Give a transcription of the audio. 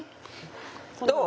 どう？